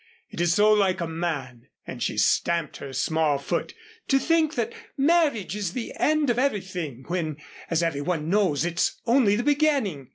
It's so like a man," and she stamped her small foot, "to think that marriage is the end of everything when as everyone knows it's only the beginning.